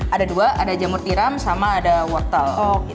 ada dua ada jamur tiram sama ada wortel